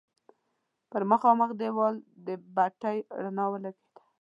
پر مخامخ دېوال د بتۍ رڼا ولګېده.